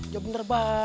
dia bener baik